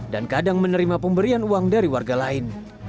kadang menerima pemberian uang dari warga lain